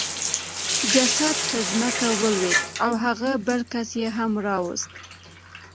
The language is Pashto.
جسد په ځمکه ولوېد او هغه بل کس یې هم راوست